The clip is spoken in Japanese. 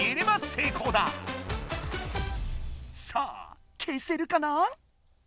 さあ消せるかな？